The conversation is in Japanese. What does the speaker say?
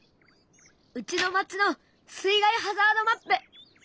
うちの町の水害ハザードマップ！